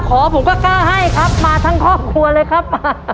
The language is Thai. ผมก็กล้าให้ครับมาทั้งครอบครัวเลยครับ